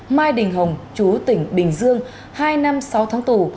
mai đình hồng chú tỉnh bình dương hai năm sáu tháng tù